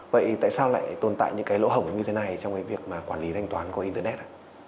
vậy tại sao lại tồn tại những lỗ hổng như thế này trong việc quản lý thanh toán qua internet